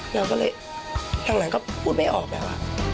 เราก็เลยทางหลังก็พูดไม่ออกแล้ว